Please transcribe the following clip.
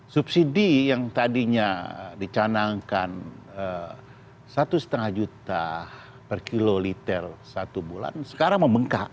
subsidi yang tadinya dicanangkan satu lima juta per kiloliter satu bulan sekarang membengkak